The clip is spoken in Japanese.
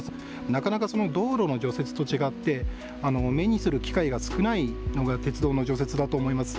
なかなか道路の除雪と違って目にする機会が少ないのが鉄道の除雪だと思います。